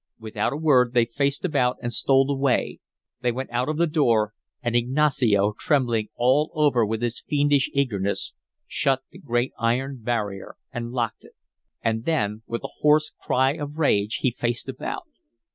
Without a word they faced about and stole away. They went out of the door, and Ignacio, trembling all over with his fiendish eagerness, shut the great iron barrier and locked it. And then with a hoarse cry of rage he faced about.